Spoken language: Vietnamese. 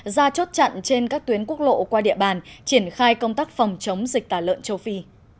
ra chốt chặn trên các tuyến quốc lộ qua địa bàn triển khai công tác phòng chống dịch tả lợn châu phi